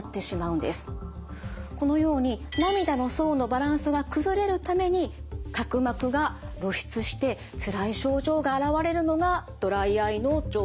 このように涙の層のバランスが崩れるために角膜が露出してつらい症状が現れるのがドライアイの状態です。